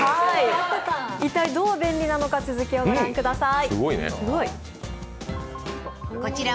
一体どう便利なのか、続きを御覧ください。